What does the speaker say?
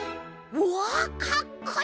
うわかっこいい！